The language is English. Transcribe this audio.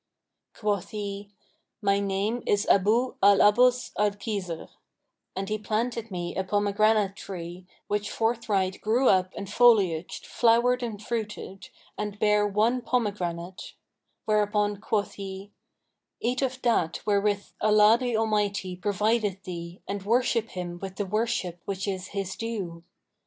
Quoth he, 'My name is Abu al 'Abbбs al Khizr'; and he planted me a pomegranate tree, which forthright grew up and foliaged, flowered and fruited, and bare one pomegranate; whereupon quoth he, 'Eat of that wherewith Allah the Almighty provideth thee and worship Him with the worship which is His due.'